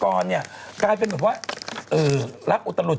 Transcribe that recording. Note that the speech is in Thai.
เคอร์นแจ้ไตเป็นเหมือนรักอุตรรุต